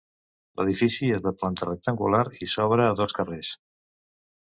L'edifici és de planta rectangular i s'obre a dos carrers.